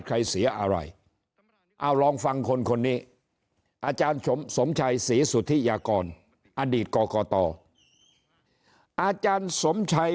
เสียอะไรเอาลองฟังคนคนนี้อาจารย์สมชัยศรีสุธิยากรอดีตกรกตอาจารย์สมชัย